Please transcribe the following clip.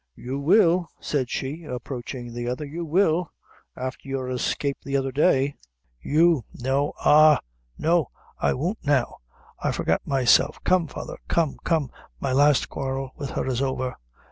"You will," said she, approaching the other "you will, after your escape the other day; you no, ah! no I won't now; I forgot myself. Come, father, come, come; my last quarrel with her is over."